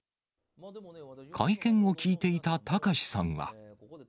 会見を聞いていた貴志さんは。